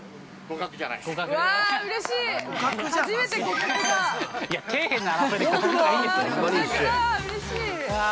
うれしいー。